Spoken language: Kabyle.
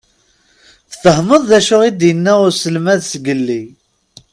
Tfehmeḍ d acu i d-inna uselmad zgelli?